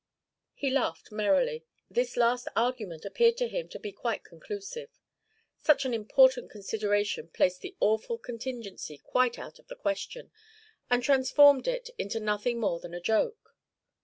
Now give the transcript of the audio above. He laughed merrily. This last argument appeared to him to be quite conclusive. Such an important consideration placed the awful contingency quite out of the question, and transformed it into nothing more than a joke.